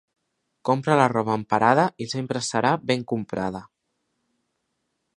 Compra la roba en parada i sempre serà ben comprada.